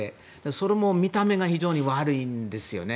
それも見た目が非常に悪いんですね。